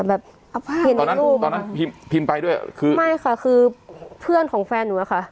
แบบตอนนั้นตอนนั้นพิมพ์ไปด้วยคือไม่ค่ะคือเพื่อนของแฟนหนูอะค่ะ